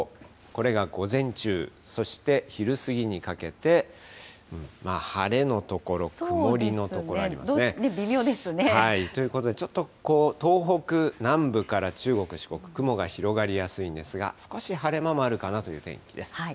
これが午前中、そして昼過ぎにかけて、まあ晴れの所、曇りの所ありますね。ということで、ちょっと東北南部から中国、四国、雲が広がりやすいんですが、少し晴れ間もあるかなという天気です。